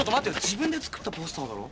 自分で作ったポスターだろ？